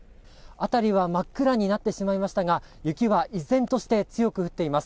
辺りは真っ暗になってしまいましたが雪は依然として強く降っています。